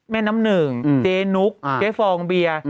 แม่น้ำหนึ่งเจ๊นุ๊กเจ๊ฟองเบียร์